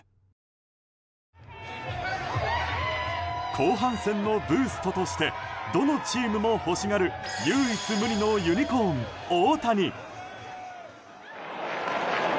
後半戦のブーストとしてどのチームも欲しがる唯一無二のユニコーン、大谷。